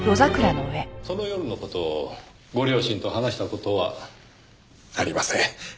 その夜の事をご両親と話した事は？ありません。